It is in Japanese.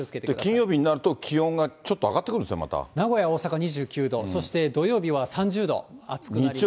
金曜日になると、気温がちょっと上がってくるんですか、名古屋、大阪２９度、そして土曜日は３０度、暑くなりますね。